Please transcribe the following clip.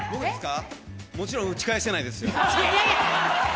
もちろん打ち返してないですよ。